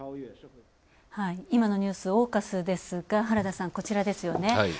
今のニュース、ＡＵＫＵＳですが原田さん、こちらですよね。